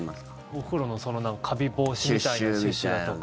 お風呂のカビ防止みたいなシュッシュだとか。